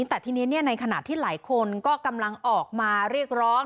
แต่ทีนี้ในขณะที่หลายคนก็กำลังออกมาเรียกร้อง